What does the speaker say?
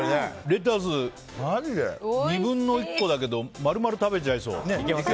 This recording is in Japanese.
レタス、２分の１個だけど丸々食べちゃいそう。